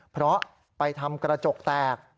เพราะไปทำกระจกแตก